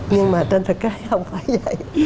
nhưng mà trên thực cái không phải vậy